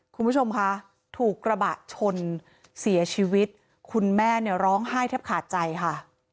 คุณผู้ชมคะถูกกระบะชนเสียชีวิตคุณแม่เนี่ยร้องไห้แทบขาดใจค่ะ